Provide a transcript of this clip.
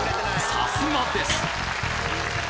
さすがです